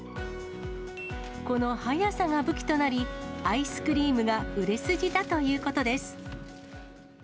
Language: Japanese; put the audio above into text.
この速さが武器となり、アイスクリームが売れ筋だということです。